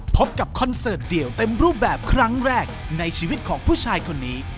พบกับคอนเสิร์ตเดี่ยวเต็มรูปแบบครั้งแรกในชีวิตของผู้ชายคนนี้